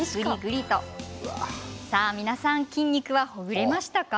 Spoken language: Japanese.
さあ、皆さん筋肉はほぐれましたか？